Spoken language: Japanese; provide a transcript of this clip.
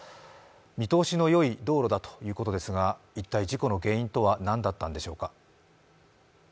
見通しのよい道路だということですが、一体、事故の原因とは何だったのでしょうか。